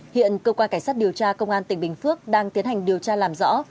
hiện cơ quan cảnh sát điều tra công an tỉnh bình phước đang tiến hành điều tra làm rõ